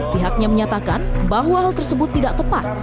pihaknya menyatakan bahwa hal tersebut tidak tepat